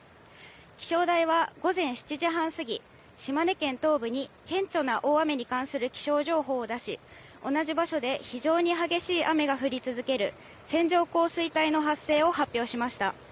気象台は午前７時半過ぎ、島根県東部に顕著な大雨に関する気象情報を出し、同じ場所で非常に激しい雨が降り続ける線状降水帯の発生を発表しました。